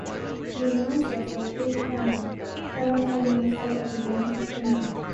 He is an ancestor of David Cameron, Former Prime Minister of the United Kingdom.